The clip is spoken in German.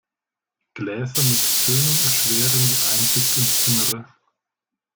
Gläser mit Tönung erschweren die Einsicht ins Innere.